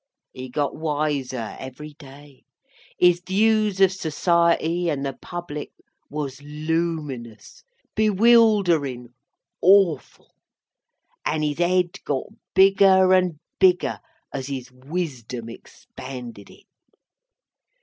He got wiser every day; his views of Society and the Public was luminous, bewilderin, awful; and his Ed got bigger and bigger as his Wisdom expanded it.